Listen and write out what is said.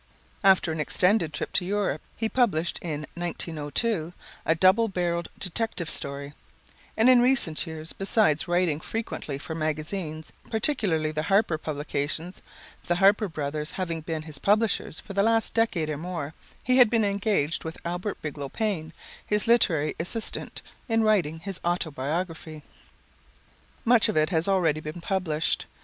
After an extended trip to Europe he published in 1902 "A Double barreled Detective Story," and in recent years, besides writing frequently for magazines, particularly the Harper publications, the Harper Brothers having been his publishers for the last decade or more, he had been engaged with Albert Bigelow Paine, his literary assistant, in writing his autobiography. Much of it has already been published.